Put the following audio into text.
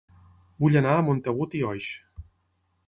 Vull anar a Montagut i Oix